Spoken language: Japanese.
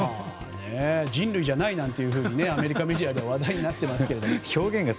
人類じゃないなんてアメリカメディアでは話題になっていますが。